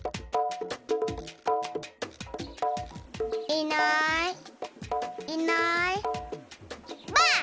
いないいないばあっ！